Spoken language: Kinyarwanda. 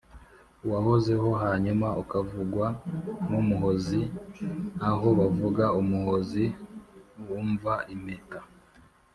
wahozeho, hanyuma ukavugwa n’umuhozi aho bavuga umuhozi wumva impeta,